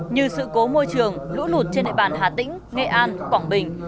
như sự cố môi trường lũ lụt trên địa bàn hà tĩnh nghệ an quảng bình